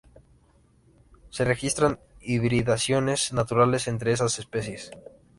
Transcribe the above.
Se registran hibridaciones naturales entre esas especies.